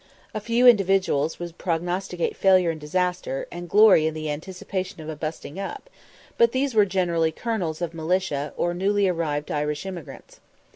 A few individuals would prognosticate failure and disaster, and glory in the anticipation of a "busting up;" but these were generally "Kurnels" of militia, or newly arrived Irish emigrants.